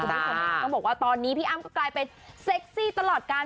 ต้องบอกว่าตอนนี้พี่อ้ามก็กลายเป็นเซ็กซี่ตลอดกัน